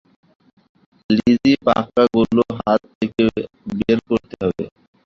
Lessee পোকাগুলো হাত থেকে বের করতে হবে।